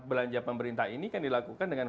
belanja pemerintah ini kan dilakukan dengan